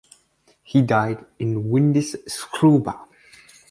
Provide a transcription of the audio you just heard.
He died in Windischleuba.